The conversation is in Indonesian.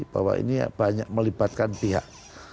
bahwa ini banyak melibatkan pihak